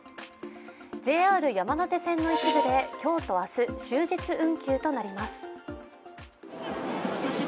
ＪＲ山手線の一部で今日と明日終日運休となります。